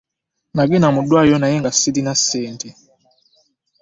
Nagenda mu ddwaliro naye nga sirina ssente.